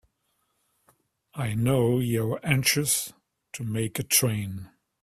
I know you're anxious to make a train.